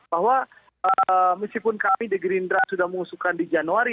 bahwa meskipun kami di gerindra sudah mengusulkan di januari